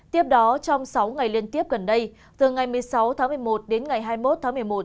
tiếp đó trong sáu ngày liên tiếp gần đây từ ngày một mươi sáu tháng một mươi một đến ngày hai mươi một tháng một mươi một